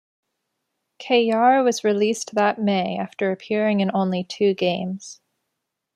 Cuellar was released that May after appearing in only two games.